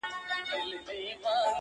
يوسف عليه السلام باور ترلاسه کړی وو.